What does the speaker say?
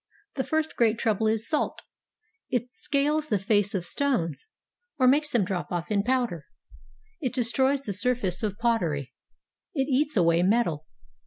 The first great trouble is salt; it scales the face of stones, or makes them drop off in powder; it destroys the surface of pottery; it eats away metal.